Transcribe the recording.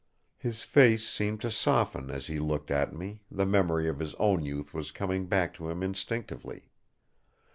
His face seemed to soften as he looked at me; the memory of his own youth was coming back to him instinctively.